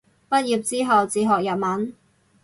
畢業之後自學日文